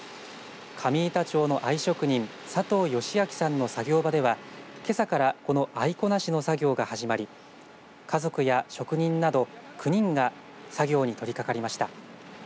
上板町の藍職人佐藤好昭さんの作業場ではけさからこの藍粉成しの作業が始まり家族や職人など、９人が作業に取りかかりました。